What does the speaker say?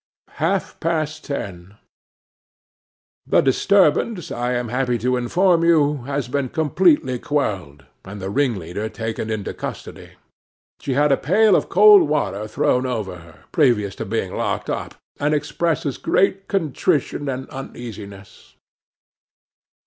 'Half past ten. 'THE disturbance, I am happy to inform you, has been completely quelled, and the ringleader taken into custody. She had a pail of cold water thrown over her, previous to being locked up, and expresses great contrition and uneasiness.